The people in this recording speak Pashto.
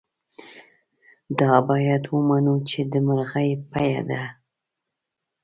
دا باید ومنو چې د مرغۍ پۍ ده.